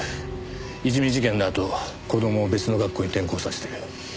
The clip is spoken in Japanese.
いじめ事件のあと子供を別の学校に転校させてる。